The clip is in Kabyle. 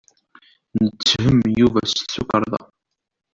Netthem Yuba s tukerḍa.